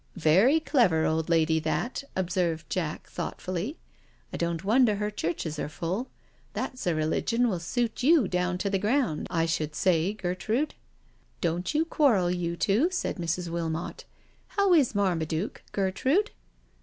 *' Very clever old lady that I " observed Jack thought fully. *' I don't wonder her churches are full. That's a religion will suit you down to the ground, I should say, Gertrude.'* " Don't you quarrel, you two," said Mrs. Wilmot, "How is Marmaduke, Gertrude?"